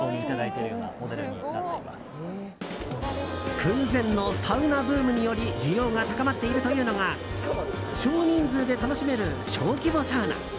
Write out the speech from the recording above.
空前のサウナブームにより需要が高まっているというのが少人数で楽しめる小規模サウナ。